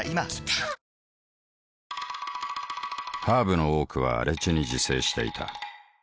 ハーブの多くは荒地に自生していた。